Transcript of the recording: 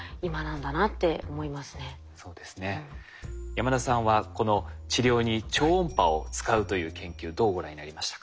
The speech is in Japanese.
山田さんはこの治療に超音波を使うという研究どうご覧になりましたか？